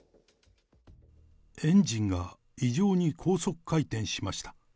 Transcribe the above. エンジンが異常に高速回転しました。